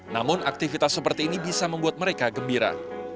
namun aktivitas seperti ini bisa membuat mereka gembira